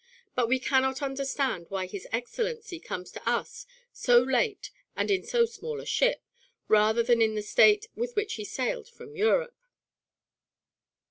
But we cannot understand why his excellency comes to us so late and in so small a ship, rather than in the state with which he sailed from Europe."